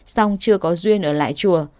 xong chưa có duyên ở lại chùa